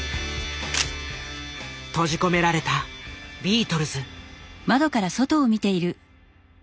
閉じ込められたビートルズ。